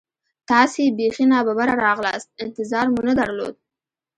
تاسې بیخي نا ببره راغلاست، انتظار مو نه درلود.